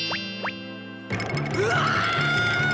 うわ！